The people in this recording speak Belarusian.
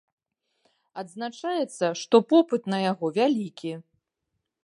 Адзначаецца, што попыт на яго вялікі.